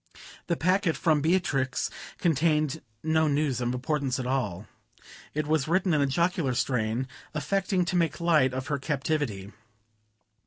The packet from Beatrix contained no news of importance at all. It was written in a jocular strain, affecting to make light of her captivity.